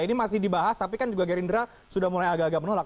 ini masih dibahas tapi kan juga gerindra sudah mulai agak agak menolak